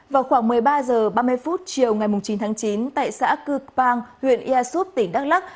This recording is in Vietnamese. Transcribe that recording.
vào khoảng một mươi ba h ba mươi phút chiều ngày chín tháng chín tại xã cư pang huyện ia súp tỉnh đắk lắc